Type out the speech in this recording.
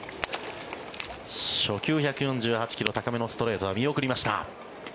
初球、１４８ｋｍ高めのストレートは見送りました。